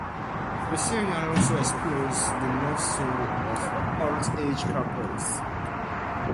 The serial also explores the love story of old age couples.